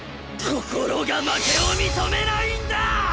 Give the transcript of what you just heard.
心が負けを認めないんだ！